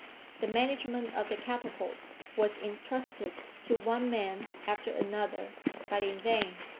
The management of the catapults was intrusted to one man after another, but in vain.